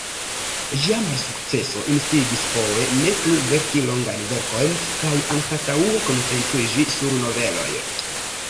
Ĝia malsukceso instigis Poe ne plu verki longajn verkojn, kaj anstataŭe koncentriĝi sur noveloj.